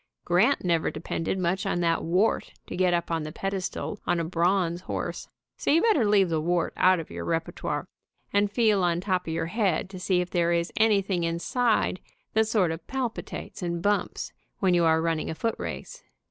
Grant never depended much on that wart to get up on the pedestal on a bronze horse, so you better leave the wart out of your repertoire, and feel on top of your head to see if there is anything inside that sort of palpitates and bumps when you are running a footrace.